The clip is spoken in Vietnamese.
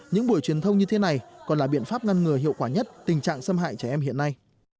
những buổi truyền thông như thế này còn là biện pháp ngăn ngừa hiệu quả nhất tình trạng xâm hại trẻ em hiện nay